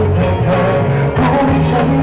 ขอบคุณทุกเรื่องราว